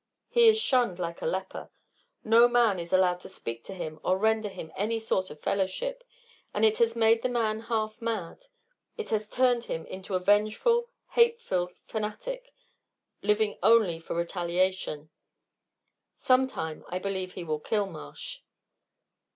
He is shunned like a leper. No man is allowed to speak to him or render him any sort of fellowship, and it has made the man half mad, it has turned him into a vengeful, hate filled fanatic, living only for retaliation. Some time I believe he will kill Marsh."